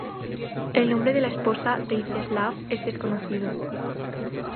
El nombre de la esposa de Iziaslav es desconocido.